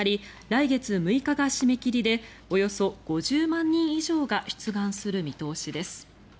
来月６日が締め切りでおよそ５０万人以上が出願する見通しです。